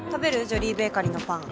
ジョリーベーカリーのパン。